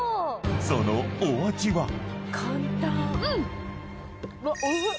［そのお味は？］